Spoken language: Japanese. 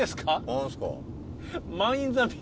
何すか？